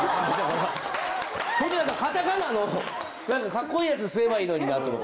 カタカナのカッコいいやつにすればいいのになと思って。